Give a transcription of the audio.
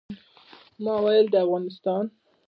ما ویل د افغانستان.